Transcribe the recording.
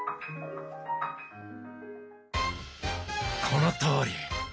このとおり！